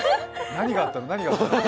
何があったの？